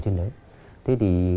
chào anh nhé